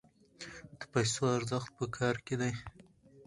د پیسو ارزښت په کار کې دی.